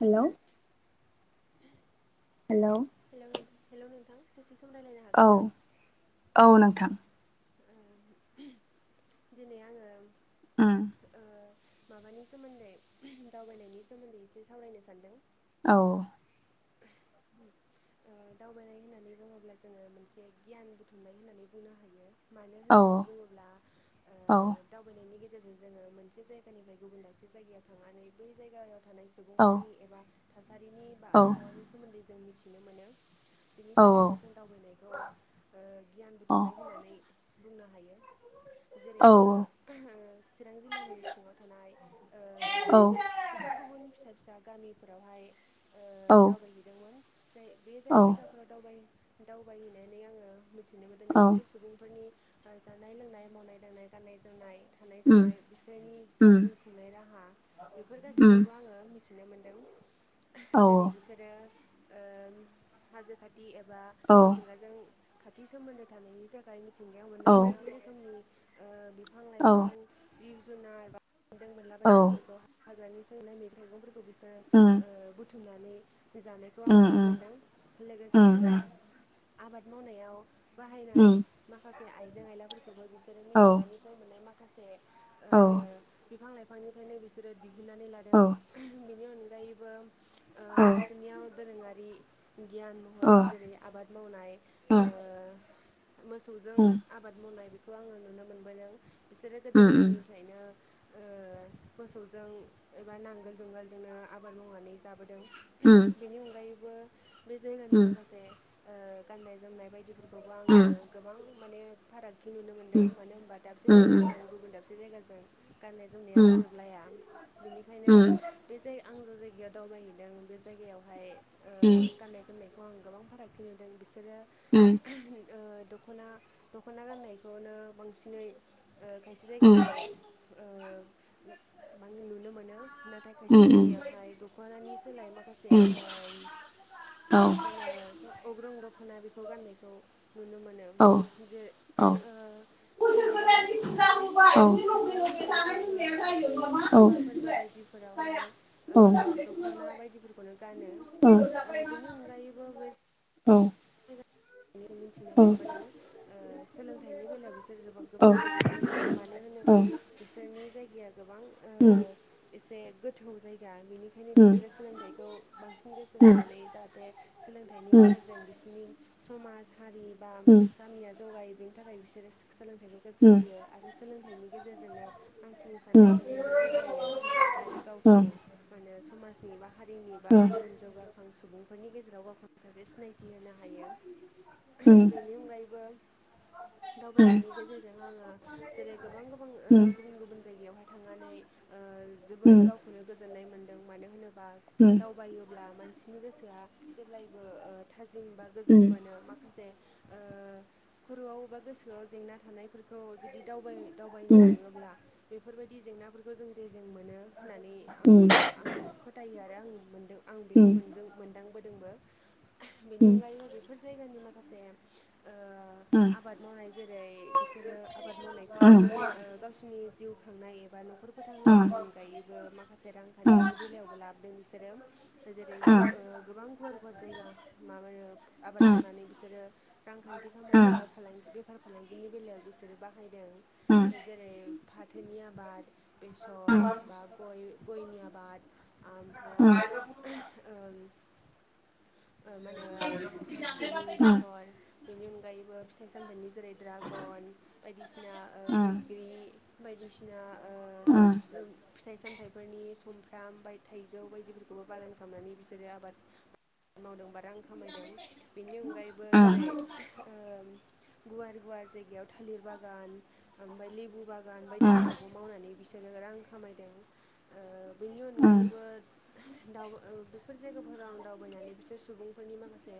हेल' hello hello hello औ औ नोंथां ओ दिनै आङो उम [inaudible] माबानि सोमोन्दै दावबायनायनि सोमोन्दै एसे सावरायनो सानदों औ [inaudible] दावबायनाय होननानै बुङोब्ला जोङो मोनसे गियान बुथुमनाय होननानै बुंनो हायो मानो औ होननानै बुङोब्ला औ दावबायनायनि गेजेरजों जोङो मोनसे जायगानिफ्राय गुबुन दाबसे जायगायाव थांनानै बै जायगायाव थानाय औ सुबुंफोरनि एबा थासारिनि बा औ आबहावानि सोमोन्दै जों मिथिनो मोनो बिनि औ थाखायनो जों दावबायनायखौ गियान औ बुथुमनाय होनानै बुंनो हायो जेरै आङो चिरां जिल्लानि सिङाव थानाय ओ गुबुन गुबुन फिसा फिसा गामिफोरावहाय दावबायहैदोंमोन। जाय बे औ जायगाफोरावाव दावबायहैनानै आङो मिथिनो मोनदोंदि औ बिसोर सुबुंफोरनि जानाय लोंनाय मावनाय दांनाय गाननाय जोमनाय थानाय उम जानाय बिसोरनि जा उम जिउ खुंनाय राहा बेफोर उम गासिखौबो आङो मिथि मिथिनो मोनदों औ आरो हाजो खाथि एबा औ मिथिंगाजों खाथि सोमोन्दो थानायनि थाखाय मिथिंगायाव औ मोननाय बायदि रोखोमनि ओ बिफां औ लाइफां जिब जुनार बा मोनदों मोनला औ बायदिफोरखौ हाग्रानि फोंनाय मैग थाइगंफोरखौ बिस ओ नानै जानायखौ आं नुनो मोनदों लोगोसे उम उम आबाद मावनायाव बाहायनाय उम माखासे आइजें आइलाफोरखौ बो बिसोरो औ मिथिंगानिफ्राय मोननाय माखासे ओ औ बिफां लाइफांनिफ्रायनो बिसोरो दिहुननानै औ लादों बेनि अनगायैबो औ याव दोरोङारि गियान औ महरै जेरै आबाद मावनाय औ उम मोसौजों आबाद मावनाय बेखौ आङो नुनो मोनबोदों। बिसोरो गोदो उम गोदायनिफ्रायनो मोसौजों एबा नांगोल जुंगालजोंनो आबाद मावनानै जाबोदों उम उम बेनि अनगायैबो बे जायगानि उम उम माखासे गाननाय जोमनाय बायदिफोरखौबो उम उम आङो उम गोबां माने फाराग थि नुनो मोनदों उम मानो होनबा दाबसे उम जायगाजों गुबुन दाबसे जायगाजों गाननाय जोमनाया गोरोबलाया बेनिखायनो बे जा आं जा जायगायाव दावबायहैदों बे जायगायाव गाननाय जोमनायखौ आं गोबां फारागथि नुदों बिसोरो उम दख'ना दख'ना गाननायखौनो बांसिनै खायसे उम उम जायगायाव ओ गोबां नुनो मोनो नाथाय खायसे उम उम जायगायावहाय दख'नानि सोलाय माखासे उम मा औ होनो अग्रुं दख'ना बेखौ गाननायखौ नुनो मोनो जेरै ओ औ जेरैहाय औ औ उम बिसोरो हाबा फोरबो उम हाबा फोरबो बायदिफोरावहाय दख'ना बायदिफोरखौनो गानो बेनि अनगायैबो बे औ मिथिनो मोनबोदों सोलोंथाइनि बेलायाव बिसोर जो गोबां गोसो होयो मानो होनो बा बिसोरनि जायगाया गोबां एसे गोथौ जायगा बिनिखायनो बिसोरो सोलोंथाइखौ बांसिन गोसो होनानै जाहाथे सोलोंथाइनि गेजेरजों बिसोरनि समाज हारि बा गामिया जौगायो बेनि थाखाय बिसोरो सोलों थाइखौ गोसो होयो आरो सोलोंथाइनि गेजेरजोंनो मानसिनि साननाय हनायाबो जौगायो आरो गावखौ माने समाजनि बा हारिनि बा गुबुन जौगाखां सुबुंफोरनि गेजेराव गावखौनो सासे सिनायथि होनो हायो बेनि अनगायैबो दावबायनायनि गेजेरजों आङो जेरै गोबां गोबां गुबुन गुबुन जायगायावहाय थांनानै जोबोद गावखौनो गोजोननाय मोनो मानो होनोबा दावबायोब्ला मानसिनि गोसोआ जेब्लायबो थाजिम बा गोजोन मोनो माखासे खरआव बा गोसोआव जेंना थानायफोरखौ खौ जुदि दावबायनो थाङोब्ला बेफोरबायदि जेंनाफोरखौ जों र जों मोनो होननानै आङो आं फोथायो आरो आं मोनदों आं बेखौ मोनदांबोदों जोंबो बेनि अनगायैबो बेफोर जायगानि माखासे आबाद मावनाय जेरै बिसोरो आबाद मावनायखौ गावसोरनि जिउ खांनाय एबा बा नखर उम फोथांनायनि अनगायैबो माखासे उम रांखान्थिनि उम बेलायावबो लाबोदों बिसोरो जेरै गोबां गुवार गुवार जायगा माबो आबाद मावनानै बिसोरो रांखान्थि खामायदों बा फालांगि बेफार फालांगिनि बेलायाव बि बिसोरो बाहायदों जेरै फाथोनि आबाद बेसर बा ग गयनि आबाद ओमफ्राय मा होनो सिबिं बेसर बेनि अनगायैबो फिथाइ सामथाइनि जेरै दड्रागन बायदिसिना बैग्रि ओ बायदिसिना ओ फिथाय सामथाय हथाइफोरनि सुमफ्राम बा थाइजौ बायदिफोरखौबो बागान खालामनानै बिसोरो आबाद मावदोंबा रां खामायदों बेनि अनगायैबो जेरै गुवार गुवार जायगायाव थालिर बागान ओमफ्राय लेबु बागान बायदिफोरखौबो मावनानै बिसोरो रां खामायदों ओ बेनि अनगायैबो दा बेफोर जायगा फोराव आं दावबायनानै सुबुंफोरनि माखासे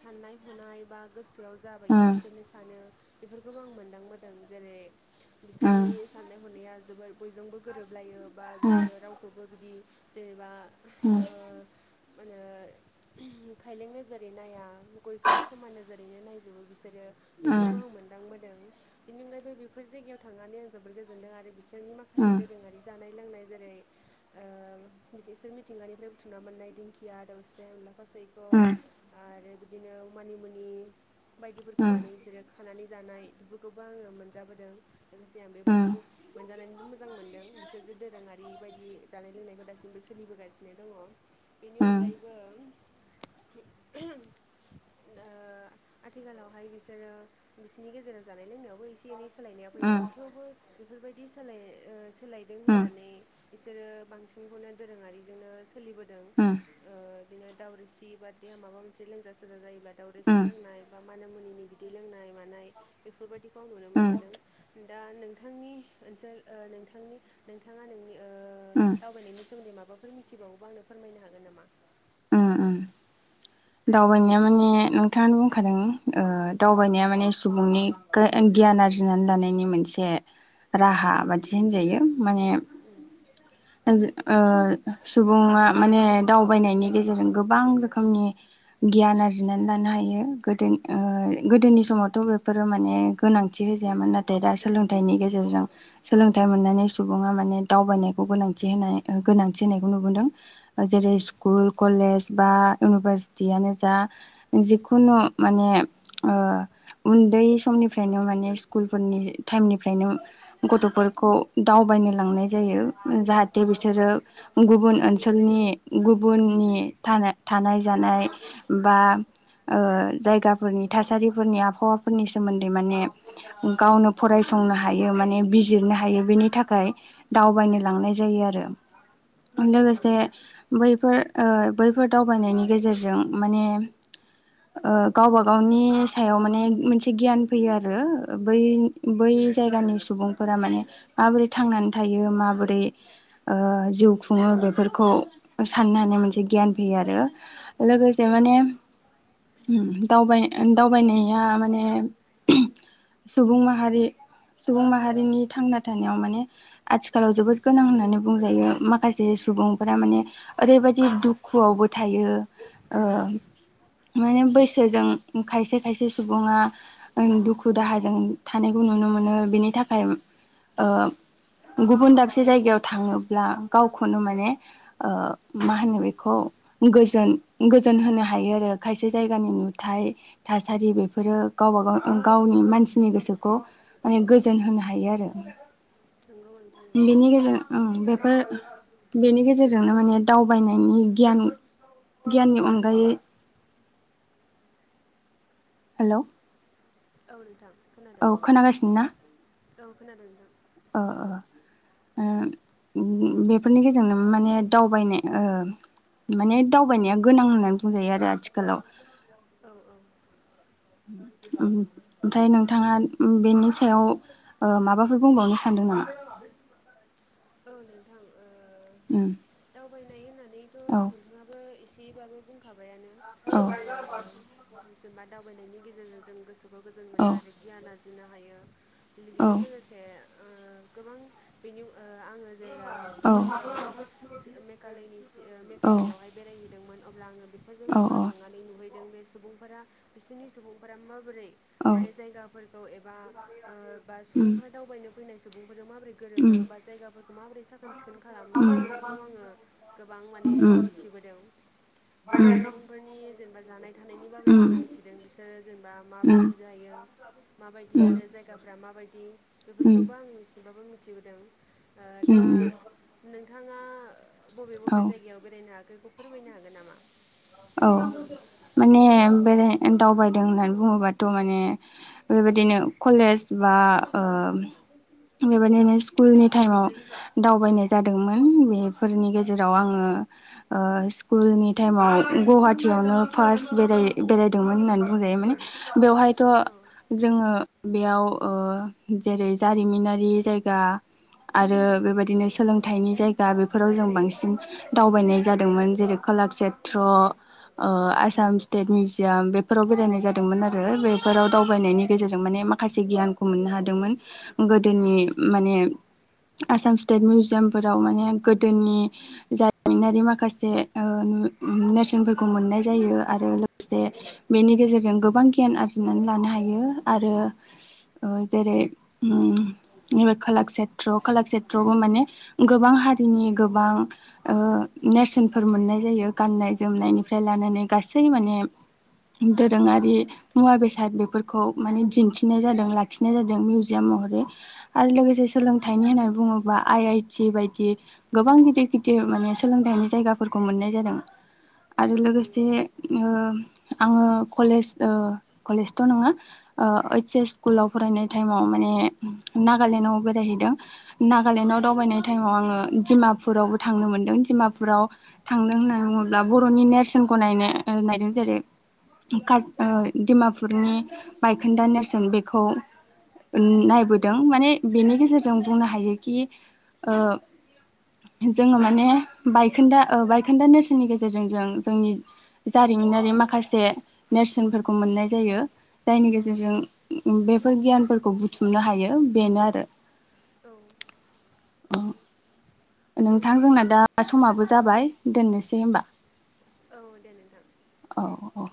साननाय हनाय बा गोसोआव जाबायदि बिसोरनो सानो बेफोर बेखौबो आं मोनदांबोदों जेरै बिसोरनि साननाय हनाया जोबोद बयजोंबो गोरोबलायो बा बिसोरो रावखौबो बिदि जेनेबा मा होनो खायलें नोजोरै नाया बयखौबो समान नोजोरैनो नायजोबबो बिसोरो बेफोरखौ आं मोनदांबोदों बेनि अनगायबो बेफोर जायगायाव थांनानै आं जोबोोर गोजोनदों आरो बिसोर बिसोरनि माखासे दोरोङारि जानाय लोंनाय जेरै बिसोर मिथिंगानिफ्राय बुथुमना मोननाय दिंखिया लाफा सैख आरो बिदिनो मानिमुनि बायदिफोरखौ माने बिसोरो खानानै जानाय बेफोरखौबो आङो मोनजाबोदों लोगोसे आं बेबायदि मोनजानायबो मोजां मोनदों बिसोरजों दोरोङारि बायदि जानाय लोंनायखौ दासिमबो सोलिबोगासिनो दङ [inaudible] आथिखालावहाय बिसोरो बिसोरनि गेजेराव जानाय लोंनायाव थेवबो एसे एनै सोलायनाया फैदों थेवबो बेफोरबायदि सोलाय सोलायदों होननानै बिसोरो बांसिनखौनो दोरोङारिजोंनो सोलिबोदों ओ बिदिनो दावरिसि बार देया माबा मोनसे लोंजा सजा जायोबा दावरिसि लोंनाय बा मानो मुनि बि लोंनाय मानाय बेफोरबायदिखौ आं नुनो मोनबोदों दा नों नोंथांनि ओनसोल नोंथांनि नोंथाङा नोंनि दावबायनायनि सोमोन्दै माबाखौ बेफोर मिथिबावोबा आंनो फोरमायनो हागोन नामा [inaudible] दावबायनाया माने नोंथाङानो बुंखादों ओ दावबायनाया माने सुबुंनि गियान आरजिनानै लानायनि मोनसे राहा बादि होनजायो माने ओ सुबुङा माने दावबायनायनि गेजेरजों गोबां रोखोमनि गियान आरजिनानै लानो हायो गोदो गोदोनि समावथ बेफोरो माने गोनांथि जों नाथाय दा सोलोंथाइनि गेजेरजों सोलोंथाइ मोननानै सुबुङा माने दावबायनाय गोनांथि होनायखौ नुबोदों जेरै नंगौ स्कुल कलेज बा इउनिभारसिटियानो जा जिखुनु माने उन्दै समनिफ्रायनो माने स्कुलफोरनि टाइमनिफ्रायनो गथफोरखौ दाव बायनो लांनाय जायो जाहाथे नंगौ बिसोरो गुबुन ओनसोलनि गुबुननि थानाय जानाय नाय बा ओ जायगाफोरनि थासारिफोरनि आबहावाफोरनि सोमोन्दै माने गावनो फराय संनो हायो माने बिजिरनो हायो बेनि थाखाय दावबायनो थांनाय जायो आरो नंगौ औ लोगोसे बै फोर बैफोर दावबायनायनि गेजेरजों माने गावबा गावनि सायाव माने मोनसे गियान फैयो आरो बै बै जायगानि सुबुंफोरा माने माबोरै थांनानै थायो माबोरै ओ जिउ खुङो बेफोरखौ साननो हानाय मोनसे गियान फैयो आरो लोगोसे नंगौ माने नंगौ दावबाय दावबायनाया माने सुबुं माहारि सुबुं माहारिनि थांना थानायाव माने आथिखालाव जोबोद गोनां होननानै बुंजायो माखासे सुबुंफोरा माने ओरैबायदि दुखुआवबो थायो ओ माने बैसोजों खायसे खायसे सुबुङा दुखु दाहाजों थानायखौ नुनो मोनो बेनि थाखाय ओ गुबुन दाब से जायगायाव थाङोब्ला गावखौनो माने मा होनो बेखौ गोजोन गोजोन होनो हायो आरो खायसे जायगानि नुथाय थासारि बेफोरो गावबा गाव गाव गावनि मानसिनि गोसोखौ माने गोजोन होनो हायो आरो [inaudible] बेनि गेजेरजों आं बेफोर बेनि गेजेरजोंनो माने दावबायनायनि गियान गियाननि अनगायै हेल' औ नोंथां खोनादों औ खोनागासिनो ना औ खोनादों अ अ बेफोरनि गेजेरनो माने दावबायनाय ओ माने दावबायनाया गोनां होननानै बुंजायो आरो आथिखालाव औ औ ओमफ्राय नोंथाङा बेनि सायाव माबाफोर बुंबावनो सानदों नामा? [inaudible] औ नोंथां उम दावबायनाय होननानैथ' औ नोंथाङाबो एसे एसेबाबो बुंखाबायानो ओ [inaudible] जेनेबा दावबायनायनि गेजेरजों जों गोसोखौ गोजोन औ मोनो आरो गियान आरजिनो हायो। औ टेलिभिजों लोगोसे ओ गोबां बेनि ओ आङो जेब्ला ओ मेघालयनि औ मेघालयआवहाय बेरायहैदोंमोन अब्ला आङो बेफोर औ जायगाफोराव थांनानै नुहैदों बे सुबुंफोरा बिसोरनि सुबुंफोरा माबोरै औ माने जायगाफोरखौ एबा बा सुबुंफोरा उम दावबायनो फैनाय सुबुं सोरो [unintelligible] माब्रै गोरोबो बा जायगा फोरखौ माबोरै साखोन सिखोन उम खालामो बेफोरखौ आङो गोबां माने उम मिथिबोदों बिसोर उम सुबुंफोरनि जेनेबा जानाय थानायनि उम बागैबो आं मिथिदों बिसोरो जेनेबा माबायदि जायो। माबायदि उम आरो जायगाफ्रा माबायदि उम बेफोरखौबो आं एसेबाबो मिथिबोदों दा उम उम नोंथाङा बबे बबे औ जायगायाव बेरायनो हाखो फोरमायनो हागोन नामा? औ माने बेराय दावबायदों होननानै बुङोबाथ' माने बेबायदिनो कलेज बा दा ओ बेबायदिनो स्कुलनि टाइमाव दावबायनाय जादोंमोन बेफोरनि गेजेराव आङो ओ स्कुलनि टाइमाव गुवाहाटियावनो फार्स्ट बेराय बेरायदोंमोन होननानै बुंजायो माने बेवहायथ' औ जोङो बेयाव ओ जेरै जारिमिनारि जायगा आरो बेबायदिनो सोलोंथाइनि जायगा बेफोराव जों बांसिन दावबायनाय जादोंमोन जेरेखोम कलासेत्र ओ आसाम स्टेट मिउजियाम बेफोराव बेरायनाय जादोंमोन आरो बेफोराव औ दावबायनायनि गेजेरजों माने माखासे गियानखौ मोननो हादोंमोन गोदोनि औ माने आसाम स्टेट मिउजियामफोराव माने गोदोनि जारिमिनारि माखासे ओ नेरसोनफोरखौ मोननाय जायो आरो लोगोसे बेनि गेजेरजों गोबां गियान आरजिनानै लानो हायो। यो आरो ओ जेरै उम नैबे कलाकषेत्र कलाकषेत्रआवबो माने गोबां हारिनि गोबां ओ नेरसोनफोर मोननाय जायो गाननाय नंगौ जोमनायनिफ्राय लानानै गासै माने दोरोङारि मुवा बेसाद बेफोरखौ माने दिन्थिनाय जादों लाखिनाय जादों मिउ औ जियामहाय आरो लोगोसे सोलोंथाइनि होननानै बुङोबा आइ आइ टि बायदि गोबां गिदिर गिदिर माने सोलोंथाइनि जायगा फोरखौ मोननाय जादों। [inaudible] आरो लोगोसे नंगौ ओ आङो कलेज कलेजथ' नङा ओइस स्कुल आाव फरायनाय टाइमाव माने नागालेण्डआव बेरायहैदों नागालेण्डआव दावबायनाय टाइमाव आङो दिमापुरावबो थांनो मोनदों दिमापुराव थांदों होननानै बुङो ब्ला बर'नि नेरसोनखौ नायनो नायदों जेरै कास ओ डिमापुरनि बायखोन्दा नेरसोन बेखौ नायबोदों माने बेनि गेजेरजों बुंनो हायोखि ओ जोङो माने बायखोन्दा ओ बायखोन्दा नेरसोननि गेजेर गेजेरजों जों जोंनि जारिमिनारि माखासे नेरसोनफोरखौ मोननाय जायो। जायनि नंगौ औ गेजेरजों बेफोर गियानफोरखौ बुथुमनो हायो बेनो आरो। औ अ नोंथां जोंना दा समाबो जाबाय दोननोसै होमबा औ दे नोंथां। औ औ